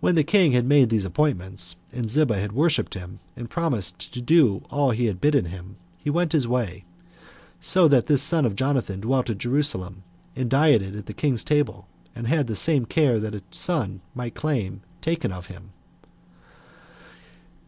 When the king had made these appointments, and Ziba had worshipped him, and promised to do all that he had bidden him, he went his way; so that this son of Jonathan dwelt at Jerusalem, and dieted at the king's table, and had the same care that a son could claim taken of him.